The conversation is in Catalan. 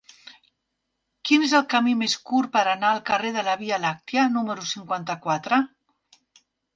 Quin és el camí més curt per anar al carrer de la Via Làctia número cinquanta-quatre?